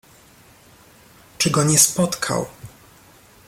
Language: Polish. "czy go nie spotkał!"